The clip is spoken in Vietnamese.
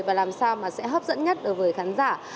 và làm sao mà sẽ hấp dẫn nhất đối với khán giả